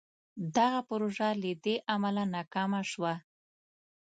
دغه پروژه له دې امله ناکامه شوه.